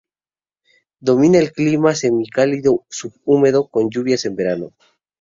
Domina el clima semicálido subhúmedo con lluvias en verano.